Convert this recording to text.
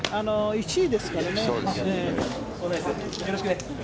１位ですからね。